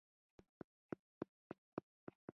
د پورونو له دروند بار سره لاس و پنجه نرموله